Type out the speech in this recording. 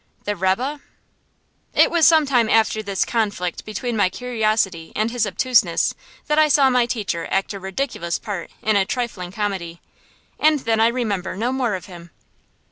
The rebbe ? It was some time after this conflict between my curiosity and his obtuseness that I saw my teacher act a ridiculous part in a trifling comedy, and then I remember no more of him.